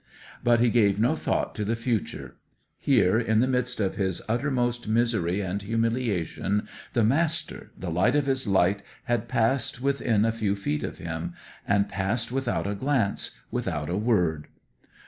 But he gave no thought to the future. Here, in the midst of his uttermost misery and humiliation, the Master, the light of his life, had passed within a few feet of him, and passed without a glance, without a word.